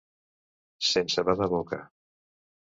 Sense badar boca.